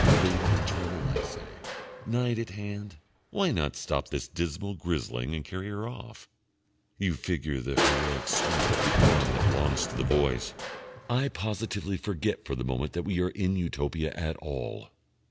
"Lady in trouble," I say. "Knight at hand. Why not stop this dismal grizzling and carry her off?" (You figure the heroic sweep of the arm that belongs to the Voice.) I positively forget for the moment that we are in Utopia at all.